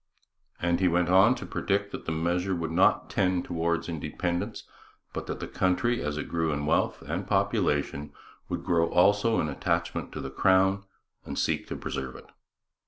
And he went on to predict that the measure would not tend towards independence, but that the country, as it grew in wealth and population, would grow also in attachment to the crown and seek to preserve it.